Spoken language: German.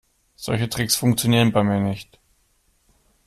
Solche Tricks funktionieren bei mir nicht.